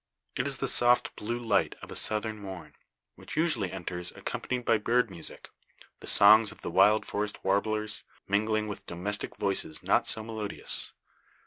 It is the soft blue light of a southern morn, which usually enters accompanied by bird music the songs of the wild forest warblers mingling with domestic voices not so melodious.